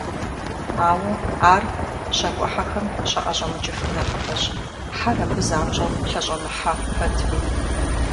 Ауэ ар щакIуэхьэхэм щаIэщIэмыкIыфыр нэхъыбэщ, хьэр абы занщIэу лъэщIэмыхьэ пэтми.